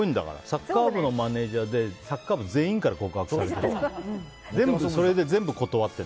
サッカー部のマネジャーでサッカー部全員から告白されて。